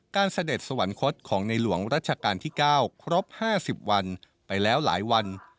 เสด็จสวรรคตของในหลวงรัชกาลที่๙ครบ๕๐วันไปแล้วหลายวัน